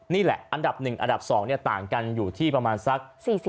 นี่แหละอันดับ๑อันดับ๒ต่างกันอยู่ที่ประมาณสัก๔๐